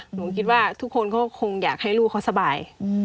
หนูคิดว่าทุกคนก็คงอยากให้ลูกเขาสบาย